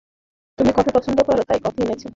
তুমি কফি পছন্দ কর, তাই কফি এনেছি।